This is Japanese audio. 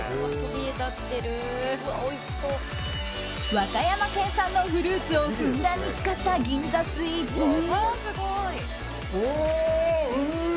和歌山県産のフルーツをふんだんに使った銀座スイーツに。